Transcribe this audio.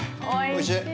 おいしい。